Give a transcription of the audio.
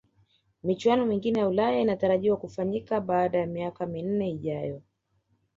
michuano mingine ya ulaya inatarajiwa kufanyika baada ya miaka minne ijayo